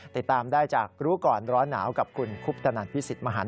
ติดตามได้จากรู้ก่อนร้อนหนาวกับคุณคุปตนันพิสิทธิมหัน